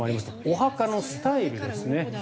お墓のスタイルですね。